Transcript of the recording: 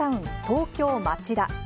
東京・町田。